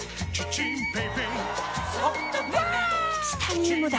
チタニウムだ！